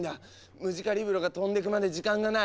ムジカリブロが飛んでくまで時間がない。